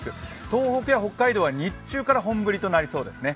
東北や北海道は日中から本降りとなりそうですね。